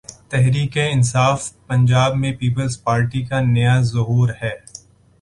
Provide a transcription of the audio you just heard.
تحریک انصاف پنجاب میں Peoples Party کا نیا ظہور ہے۔